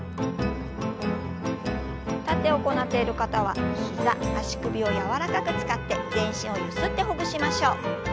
立って行っている方は膝足首を柔らかく使って全身をゆすってほぐしましょう。